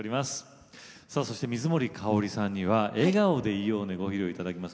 水森かおりさんには「笑顔でいようね」ご披露いただきます。